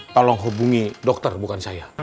tolong hubungi dokter bukan saya